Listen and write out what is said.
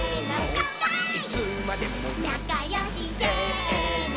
「なかよし」「せーの」